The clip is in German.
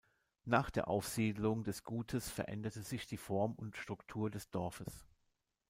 Nach der Aufsiedlung des Gutes veränderte sich die Form und Struktur des Dorfes.